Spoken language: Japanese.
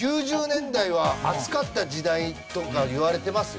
９０年代は熱かった時代とか言われてますよ。